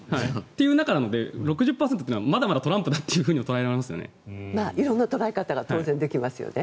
という中なので６０％といのはまだまだトランプだという捉え方ができますよね。